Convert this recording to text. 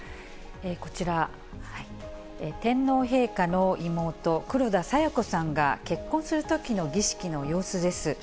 こちら、天皇陛下の妹、黒田清子さんが結婚するときの儀式の様子です。